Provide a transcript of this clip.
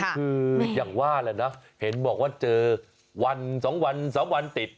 คืออย่างว่าแหละนะเห็นบอกว่าเจอวัน๒วัน๓วันติด